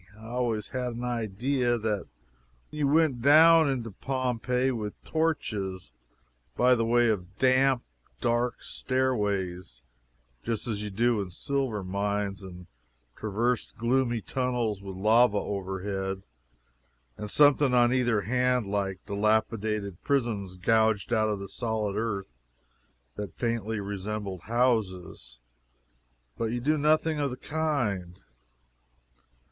I always had an idea that you went down into Pompeii with torches, by the way of damp, dark stairways, just as you do in silver mines, and traversed gloomy tunnels with lava overhead and something on either hand like dilapidated prisons gouged out of the solid earth, that faintly resembled houses. But you do nothing the kind.